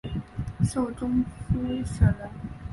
授中书舍人。